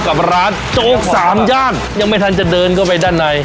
กับร้านโจ๊กสามย่านยังไม่ทันจะเดินเข้าไปด้านใน